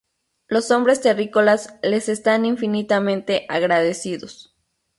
Los hombres terrícolas les están infinitamente agradecidos.